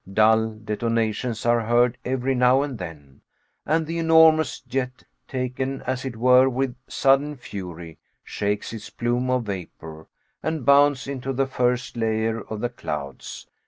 Dull detonations are heard every now and then, and the enormous jet, taken as it were with sudden fury, shakes its plume of vapor, and bounds into the first layer of the clouds.